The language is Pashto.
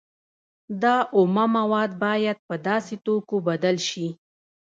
دا اومه مواد باید په داسې توکو بدل شي